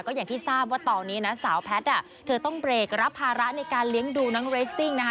ก็อย่างที่ทราบว่าตอนนี้นะสาวแพทย์เธอต้องเบรกรับภาระในการเลี้ยงดูน้องเรสซิ่งนะคะ